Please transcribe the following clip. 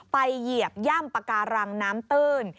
ไปเหยียบหยั่มปาการังน้ำตื้น